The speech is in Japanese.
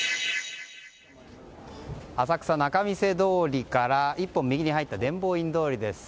浅草・仲見世通りから１本右に入った伝法院通りです。